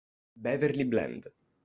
Beverley Bland